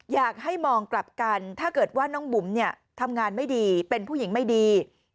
อยากให้มองกลับกันถ้าเกิดว่าน้องบุ๋มทำงานไม่ดีเป็นผู้หญิงไม่ดี